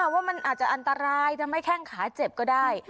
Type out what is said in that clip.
ว่ามันอาจจะอันตรายทำให้แข้งขาเจ็บก็ได้